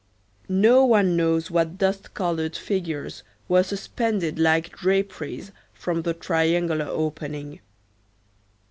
No one knows what dust colored figures were suspended like draperies from the triangular opening.